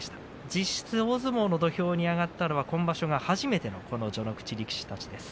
実質、大相撲の土俵に上がったのは今場所が初めてという序ノ口の力士。